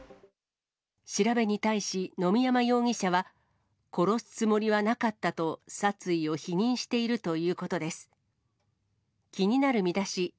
調べに対し、野見山容疑者は、殺すつもりはなかったと殺意を否認しているということです。